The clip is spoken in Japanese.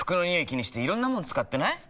気にしていろんなもの使ってない？